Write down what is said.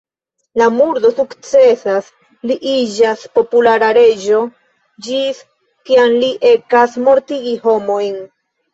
La murdo sukcesas, li iĝas populara reĝo, ĝis kiam li ekas mortigi homojn.